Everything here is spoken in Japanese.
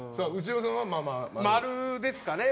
○ですかね。